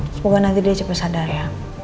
semoga nanti dia cukup sadar ya